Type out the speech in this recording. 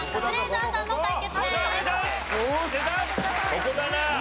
ここだな。